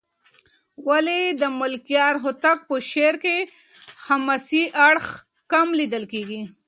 ولې د ملکیار هوتک په شعر کې حماسي اړخ کم لېدل کېږي؟